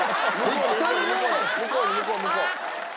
向こう向こう向こう！